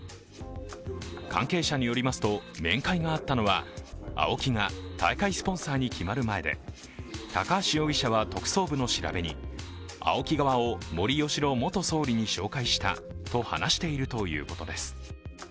関係者によりますと、面会があったのはＡＯＫＩが大会スポンサーに決まる前で高橋容疑者は特捜部の調べにＡＯＫＩ側を森喜朗元総理に紹介したと話しているということです。